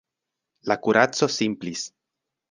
La kuraco simplis.